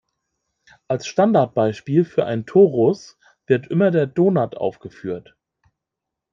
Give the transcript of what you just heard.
Als Standardbeispiel für einen Torus wird immer der Donut aufgeführt.